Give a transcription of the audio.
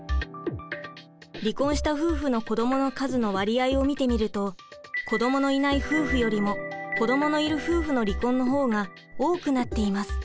離婚した夫婦の子どもの数の割合を見てみると子どものいない夫婦よりも子どものいる夫婦の離婚の方が多くなっています。